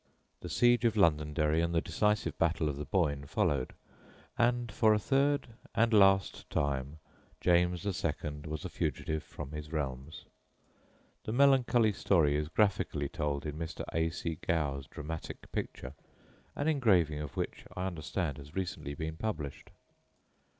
The siege of Londonderry and the decisive battle of the Boyne followed, and for a third and last time James II. was a fugitive from his realms. The melancholy story is graphically told in Mr. A. C. Gow's dramatic picture, an engraving of which I understand has recently been published.